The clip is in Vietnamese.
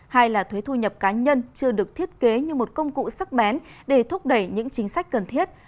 hai là thuế thu nhập cá nhân chưa được thiết kế như một công cụ sắc bén để thúc đẩy những chính sách cần thiết